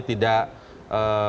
tidak dibuat dengan baik